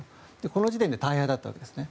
この時点で大敗だったわけですね。